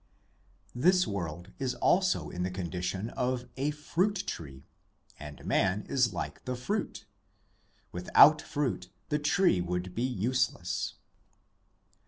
This world is also in the condition of a fruit tree, and man is like the fruit ; without fruit the tree would be useless.